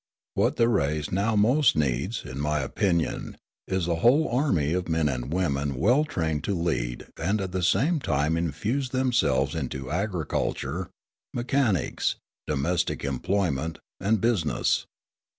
What the race now most needs, in my opinion, is a whole army of men and women well trained to lead and at the same time infuse themselves into agriculture, mechanics, domestic employment, and business.